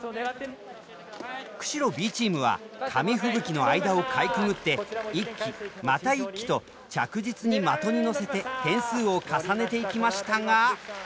釧路Ｂチームは紙吹雪の間をかいくぐって１機また１機と着実に的に乗せて点数を重ねていきましたが。